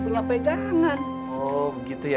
punya pegangan oh begitu ya